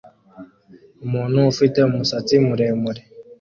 Umuntu ufite umusatsi muremure